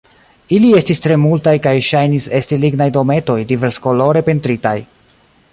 Ili estis tre multaj kaj ŝajnis esti lignaj dometoj diverskolore pentritaj.